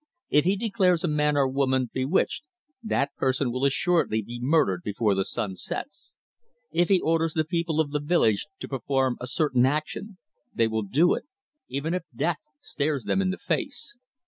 If he declares a man or woman bewitched that person will assuredly be murdered before the sun sets; if he orders the people of the village to perform a certain action they will do it, even if death stares them in the face.